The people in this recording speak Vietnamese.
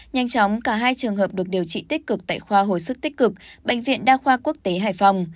nhanh chóng cả hai trường hợp được điều trị tích cực tại khoa hồi sức tích cực bệnh viện đa khoa quốc tế hải phòng